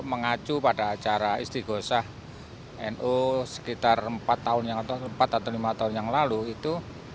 mengacu pada acara istiqosah nu sekitar empat tahun yang atau empat atau lima tahun yang lalu itu